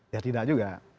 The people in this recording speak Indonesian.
ya tidak juga